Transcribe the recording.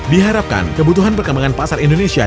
diharapkan kebutuhan perkembangan pasar indonesia